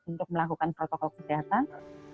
untuk melakukan protokol kesehatan